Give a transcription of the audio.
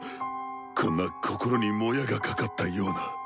こんな心にモヤがかかったような。